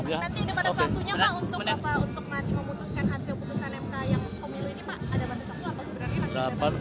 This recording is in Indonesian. nanti ini pada waktunya pak untuk memutuskan hasil putusan mk yang pemilih ini pak ada batas waktu atau sebenarnya